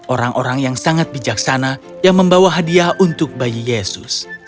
orang orang yang sangat bijaksana yang membawa hadiah untuk bayi yesus